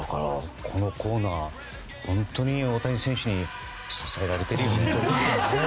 このコーナー、本当に大谷選手に支えられているね。